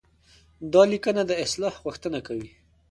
دا ليکنه د اصلاح غوښتنه کوي.